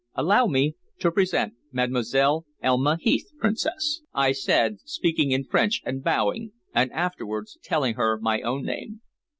"Allow me to present Mademoiselle Elma Heath, Princess," I said, speaking in French and bowing, and afterwards telling her my own name.